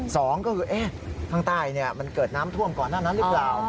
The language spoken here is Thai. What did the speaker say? สองก็คือข้างใต้มันเกิดน้ำท่วมก่อนหน้านั้นหรือเปล่า